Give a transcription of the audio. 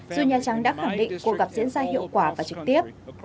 dù nhà trắng đã khẳng định cuộc gặp diễn ra hiệu quả và trực tiếp